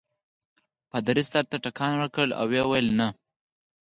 پادري سر ته ټکان ورکړ او ویې ویل نه.